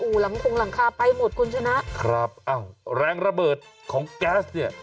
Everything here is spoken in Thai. หลังคงหลังคาไปหมดคุณชนะครับอ้าวแรงระเบิดของแก๊สเนี่ย